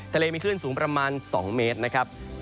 ทะเลมีคลื่นสูงประมาณ๒เมตรนะครับ